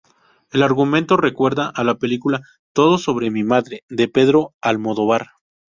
El argumento recuerda a la película "Todo sobre mi madre", de Pedro Almodóvar.